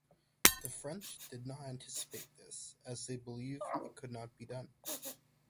The French did not anticipate this as they believe it could not be done.